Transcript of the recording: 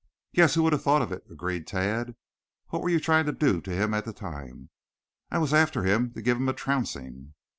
"Yes, who would have thought it?" agreed Tad. "What were you trying to do to him at the time?" "I was after him to give him a trouncing."